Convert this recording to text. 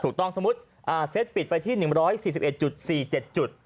ถูกต้องสมมุติเซตปิดไปที่๑๔๑๔๗จุด